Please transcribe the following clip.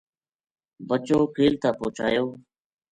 بَچو کیل تا پوہچایو